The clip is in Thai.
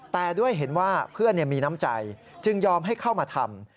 แต่ด้วยเห็นว่าเพื่อนมีน้ำใจจึงยอมให้เข้ามาทำ